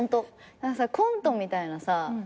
コントみたいなさ